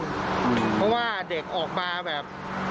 เพราะว่าเด็กออกมาแบบ